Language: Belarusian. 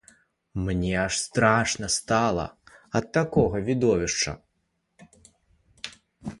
Мне аж страшна стала ад такога відовішча.